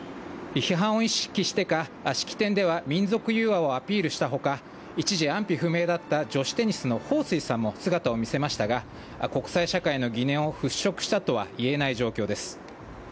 批判を意識してか、式典では民族融和をアピールしたほか、一時安否不明だった女子テニスの彭帥さんも姿を見せましたが、国際社会の疑念を払拭したとはいえない状況です。